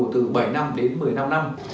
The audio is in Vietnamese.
từ bảy năm đến một mươi năm năm